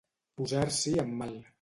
Posar-s'hi en mal.